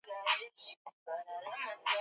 hii ni kutokana na umaarufu wake